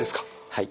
はい。